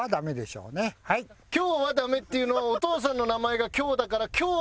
「きょうはダメ」っていうのはお父さんの名前が「恭」だから。